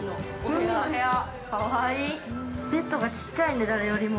ベッドがちっちゃいね、誰よりも。